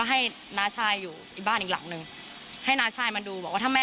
ให้น้าชายอยู่อีกบ้านอีกหลังหนึ่งให้น้าชายมาดูบอกว่าถ้าแม่